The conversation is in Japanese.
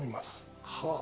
はあ。